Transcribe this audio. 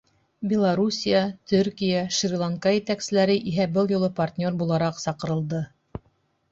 Белоруссия, Төркиә, Шри-Ланка етәкселәре иһә был юлы партнер булараҡ саҡырылды.